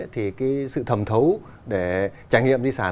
thì cái sự thẩm thấu để trải nghiệm di sản